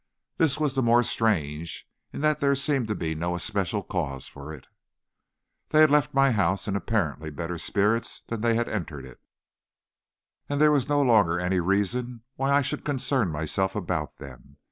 This was the more strange in that there seemed to be no especial cause for it. They had left my house in apparently better spirits than they had entered it, and there was no longer any reason why I should concern myself about them.